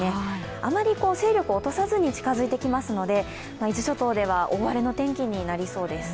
あまり勢力を落とさずに近付いてきますので伊豆諸島では大荒れの天気になりそうです。